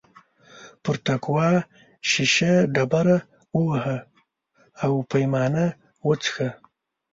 پر تقوا شیشه ډبره ووهه او پیمانه وڅښه.